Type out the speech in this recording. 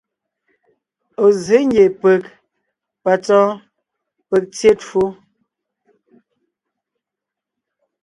Ɔ̀ zsě ngie peg ,patsɔ́ɔn, peg tyé twó.